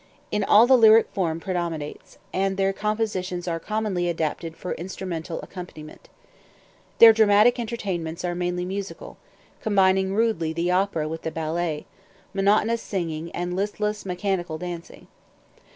In all the lyric form predominates, and their compositions are commonly adapted for instrumental accompaniment. Their dramatic entertainments are mainly musical, combining rudely the opera with the ballet, monotonous singing, and listless, mechanical dancing.